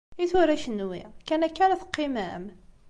I tura kenwi, kan akka ara teqqimem?